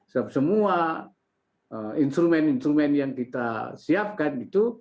semua instrumen instrumen yang kita siapkan itu